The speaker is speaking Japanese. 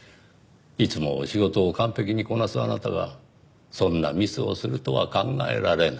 いつも仕事を完璧にこなすあなたがそんなミスをするとは考えられない。